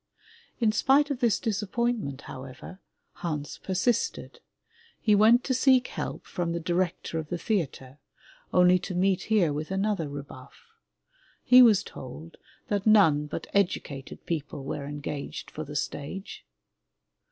In spite of this disappointment, however, Hans persisted. He went to seek help from the Director of the Theatre, only to meet here with another rebuff. He was told that none but educated people were engaged for the stage.